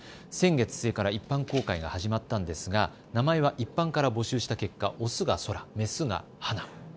先月末から一般公開が始まったんですが名前は一般から募集した結果、オスが空、メスが花。